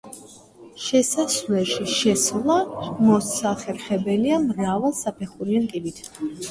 შესასვლელში შესვლა მოსახერხებელია მრავალსაფეხურიანი კიბით.